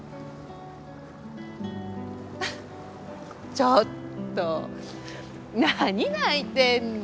ちょっと何泣いてんの？